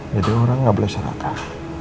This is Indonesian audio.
jadi orang gak boleh serakah